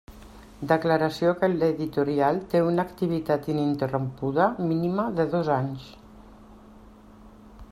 Declaració que l'editorial té una activitat ininterrompuda mínima de dos anys.